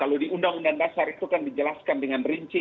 kalau di undang undang dasar itu kan dijelaskan dengan rinci